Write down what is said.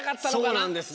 そうなんですね。